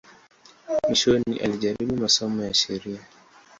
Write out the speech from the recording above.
Mwishoni alijaribu masomo ya sheria.